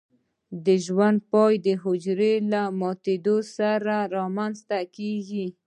د ژوند پای د حجره له ماتیدو سره رامینځته کیږي.